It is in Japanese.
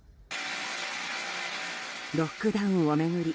ロックダウンを巡り